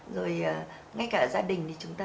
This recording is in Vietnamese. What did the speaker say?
rồi ngay cả gia đình thì chúng ta